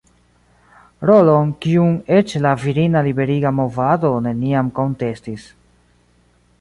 Rolon, kiun eĉ la virina liberiga movado neniam kontestis.